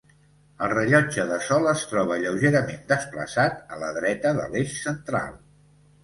El rellotge de sol es troba lleugerament desplaçat a la dreta de l'eix central.